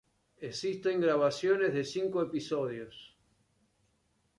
Existen grabaciones de cinco episodios.